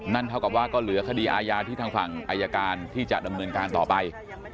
เท่ากับว่าก็เหลือคดีอาญาที่ทางฝั่งอายการที่จะดำเนินการต่อไป